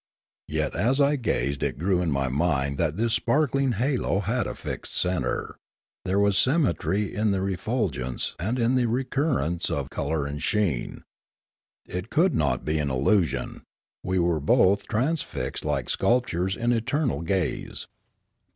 Yet as I gazed it grew in my mind that this sparkling halo had a fixed centre; there was symmetry in the refulgence and in the recurrence of colour and sheen. It could not be illusion; we were both transfixed like sculptures in eternal gaze.